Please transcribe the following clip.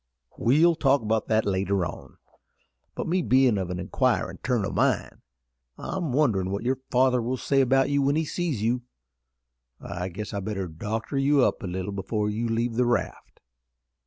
"We'll talk about that later on, but me bein' of an inquirin' turn o' mind, I'm wonderin' what your father will say about you when he sees you. I guess I better doctor you up a little before you leave the raft."